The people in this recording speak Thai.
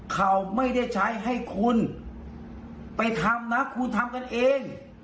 เขาไม่ได้ใช้ให้คุณไปทำนะคุณทำกันเอง